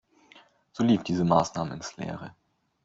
So lief diese Maßnahme ins Leere.